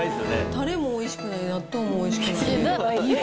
たれもおいしくない、納豆もおいしくない。